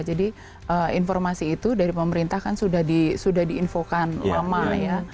jadi informasi itu dari pemerintah kan sudah diinfokan lama ya